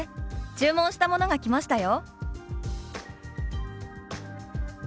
注文したものが来ましたよ」。